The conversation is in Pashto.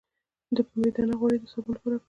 د پنبې دانه غوړي د صابون لپاره وکاروئ